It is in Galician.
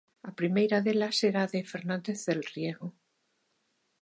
A primeira delas era a de Fernández del Riego.